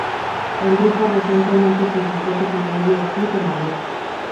El grupo recientemente publicó su primer videoclip en la web.